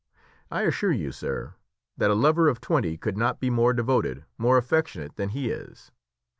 I assure you, sir, that a lover of twenty could not be more devoted, more affectionate, than he is.